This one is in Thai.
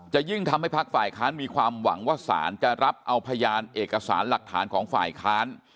ยิ่งทำให้พักฝ่ายค้านมีความหวังว่าสารจะรับเอาพยานเอกสารหลักฐานของฝ่ายค้าน